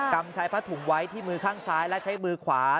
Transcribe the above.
ำชายผ้าถุงไว้ที่มือข้างซ้ายและใช้มือขวา